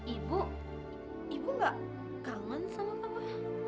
ibu ibu gak kangen sama papa